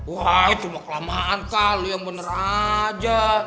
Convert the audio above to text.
wah itu mah kelamaan kal lu yang bener aja